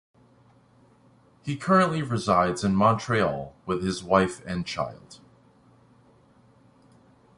He currently resides in Montreal with his wife and child.